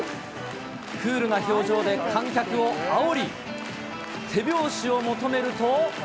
クールな表情で観客をあおり、手拍子を求めると。